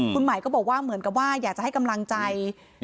คุณหมายก็บอกว่าเหมือนกับว่าอยากจะให้กำลังใจ